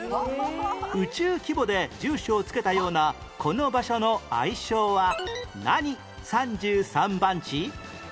宇宙規模で住所をつけたようなこの場所の愛称は何３３番地？